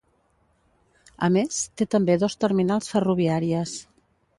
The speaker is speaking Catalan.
A més, té també dos terminals ferroviàries.